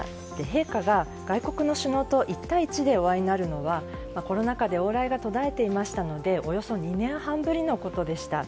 陛下が外国の首脳と１対１でお会いになるのはコロナ禍で往来が途絶えていましたのでおよそ２年半ぶりのことでした。